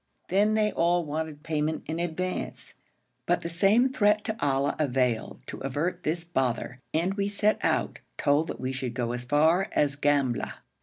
Then they all wanted payment in advance, but the same threat to Ali availed to avert this bother and we set out, told that we should go as far as Gambla.